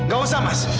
gak usah mas